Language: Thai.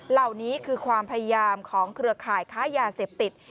เหล่านี้คือความพยายามของเครือข่ายค้ายาเสพติด